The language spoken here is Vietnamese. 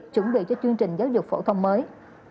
chuẩn bị cho chương trình giáo dục phổ thông mới